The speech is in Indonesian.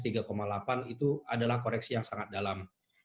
itu adalah koreksi yang sangat dalam